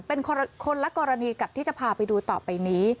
เป็นคนละกรณีกับที่จะพาไปดูต่อไปนี้